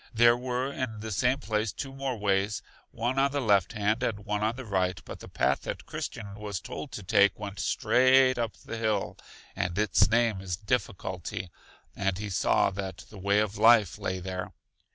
There were in the same place two more ways, one on the left hand and one on the right; but the path that Christian was told to take went straight up the hill, and its name is Difficulty, and he saw that the way of life lay there.